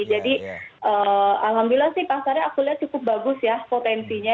jadi alhamdulillah sih pasarnya aku lihat cukup bagus ya potensinya